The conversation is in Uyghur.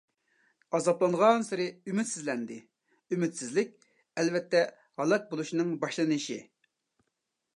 ئازابلانغانسېرى ئۈمىدسىزلەندى. ئۈمىدسىزلىك ئەلۋەتتە ھالاك بولۇشنىڭ باشلىنىشى.